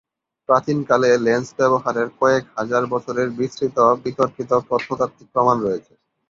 প্রাচীনকালে লেন্স ব্যবহারের কয়েক হাজার বছরের বিস্তৃত বিতর্কিত প্রত্নতাত্ত্বিক প্রমাণ রয়েছে,।